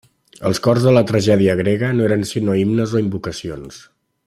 Els cors de la tragèdia grega no eren sinó himnes o invocacions.